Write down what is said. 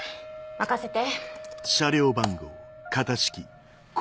任せて。